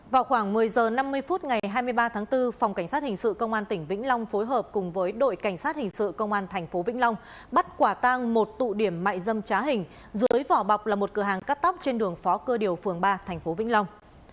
vào khoảng một mươi h năm mươi phút ngày hai mươi ba tháng bốn phòng cảnh sát hình sự công an tỉnh vĩnh long phối hợp cùng với đội cảnh sát hình sự công an tp vĩnh long bắt quả tang một tụ điểm mại dâm trá hình dưới vỏ bọc là một cửa hàng cắt tóc trên đường phó cơ điều phường ba tp vĩnh long